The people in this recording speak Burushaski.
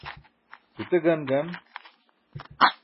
gute gan gan